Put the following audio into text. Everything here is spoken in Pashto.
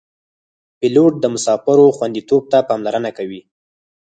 پیلوټ د مسافرو خوندیتوب ته پاملرنه کوي.